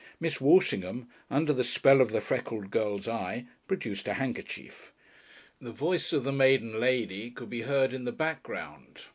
Miss Walshingham under the spell of the freckled girl's eye produced a handkerchief. The voice of the maiden lady could be heard in the background.